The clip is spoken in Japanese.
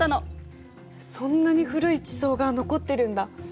そんなに古い地層が残ってるんだ。